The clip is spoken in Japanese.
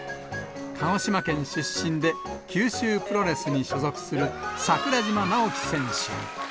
鹿児島県出身で、九州プロレスに所属する桜島なおき選手。